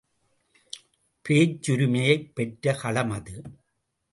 பேச்சுரிமையைப் பெற்ற களம் அது.